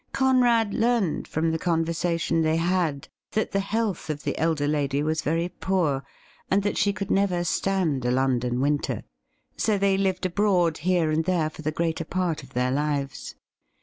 Conrad learned from the conversation they had that the health of the elder lady was very poor, and that she could never stand a London winter. So they lived abroad here and there for the greater part of their lives.